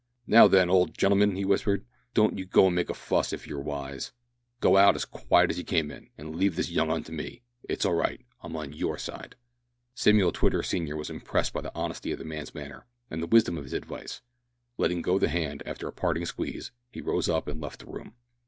"Now then, old gen'lm'n," he whispered, "don't you go an' make a fuss, if you're wise. Go out as quiet as you came in, an' leave this young 'un to me. It's all right. I'm on your side." Samuel Twitter senior was impressed with the honesty of the man's manner, and the wisdom of his advice. Letting go the hand, after a parting squeeze, he rose up and left the room.